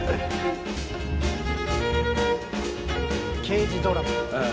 刑事ドラマ。